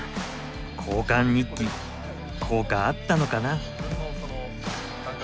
交換日記効果あったのかな。